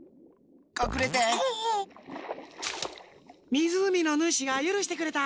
みずうみのヌシがゆるしてくれた。